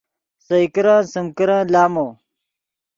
سئے کرن سیم کرن لامو